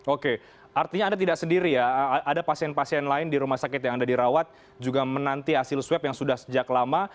oke artinya anda tidak sendiri ya ada pasien pasien lain di rumah sakit yang anda dirawat juga menanti hasil swab yang sudah sejak lama